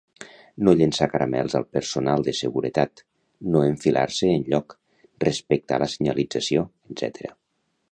No llençar caramels al personal de seguretat, no enfilar-se enlloc, respectar la senyalització, etc.